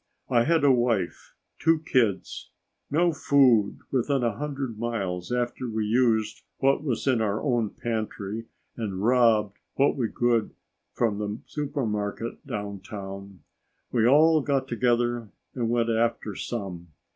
I had a wife, two kids. No food within a hundred miles after we used what was in our own pantry and robbed what we could from the supermarket downtown. "We all got together and went after some.